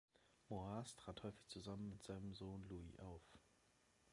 Moyse trat häufig zusammen mit seinem Sohn Louis auf.